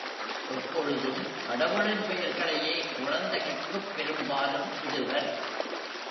எப்பொழுதும் கடவுளின் பெயர்களையே குழந்தைகட்குப் பெரும்பாலும் இடுவர்.